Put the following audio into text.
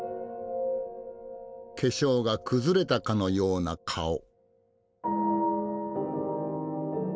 化粧が崩れたかのような顔。